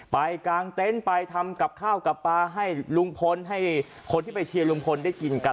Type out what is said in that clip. กลางเต็นต์ไปทำกับข้าวกับปลาให้ลุงพลให้คนที่ไปเชียร์ลุงพลได้กินกัน